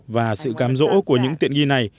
và sự cám dỗ của những tiện nghi này